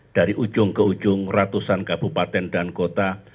dari ujung ke ujung ratusan kabupaten dan kota